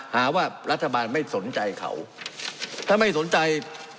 หาว่ารัฐบาลไม่สนใจเขาถ้าไม่สนใจ